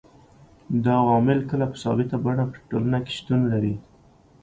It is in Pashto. دا عوامل کله په ثابته بڼه په ټولنه کي شتون لري